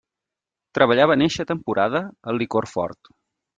Treballava en eixa temporada el licor fort.